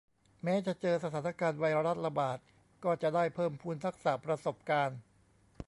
แม้จะเจอสถานการณ์ไวรัสระบาดก็จะได้เพิ่มพูนทักษะประสบการณ์